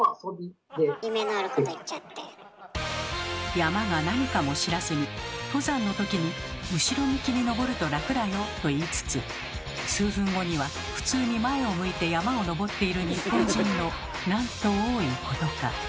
山が何かも知らずに登山のときに「後ろ向きに登ると楽だよ」と言いつつ数分後には普通に前を向いて山を登っている日本人のなんと多いことか。